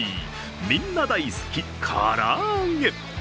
みんな大好き、から揚げ。